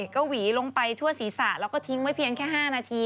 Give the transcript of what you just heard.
ก็หวีลงไปทั่วศีรษะแล้วก็ทิ้งไว้เพียงแค่๕นาที